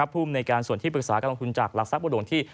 ภูมิในการส่วนที่ปรึกษาการลงทุนจากหลักทรัพย์หลวงที่